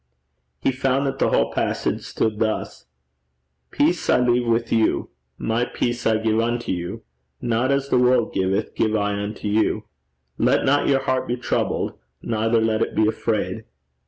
He found that the whole passage stood thus: 'Peace I leave with you, my peace I give unto you: not as the world giveth give I unto you. Let not your heart be troubled, neither let it be afraid.'